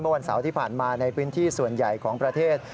วันเสาร์ที่ผ่านมาในพื้นที่ส่วนใหญ่ของประเทศ